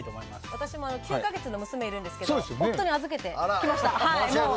私も９か月の娘がいるんですが夫に預けてきました。